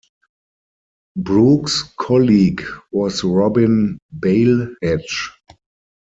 Brooks' colleague was Robin Bailhache.